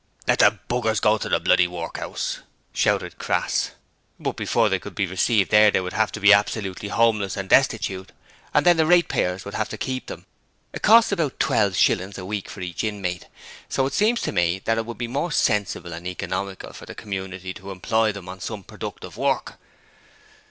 'Let the b rs go to the bloody workhouse!' shouted Crass. 'But before they could be received there they would have to be absolutely homeless and destitute, and then the ratepayers would have to keep them. It costs about twelve shillings a week for each inmate, so it seems to me that it would be more sensible and economical for the community to employ them on some productive work.'